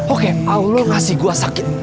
oke allah ngasih gue sakit